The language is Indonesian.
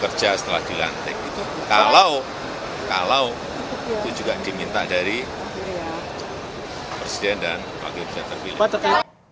kerja setelah dilantik itu kalau kalau itu juga diminta dari presiden dan wakil presiden terpilih